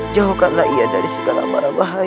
jauhkanlah ia dari segala barang barang